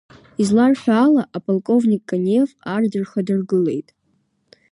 Изларҳәо ала, аполковник Кониев ар дырхадыргылеит.